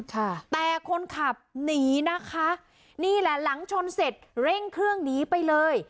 ค่ะแต่คนขับหนีนะคะนี่แหละหลังชนเสร็จเร่งเครื่องหนีไปเลย